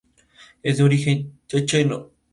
Ambas se celebran en paralelo.